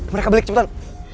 mereka balik cepetan